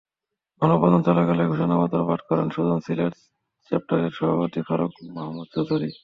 মানববন্ধন চলাকালে ঘোষণাপত্র পাঠ করেন সুজন সিলেট চ্যাপ্টারের সভাপতি ফারুক মাহমুদ চৌধুরী।